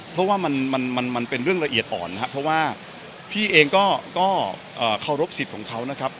เพราะว่ามันเป็นเรื่องละเอียดอ่อนนะครับเพราะว่าพี่เองก็เคารพสิทธิ์ของเขานะครับ